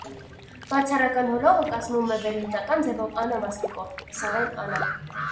Բացառական հոլովը կազմվում էվերլուծական ձևով անա մասնիկով (սարէն անա)։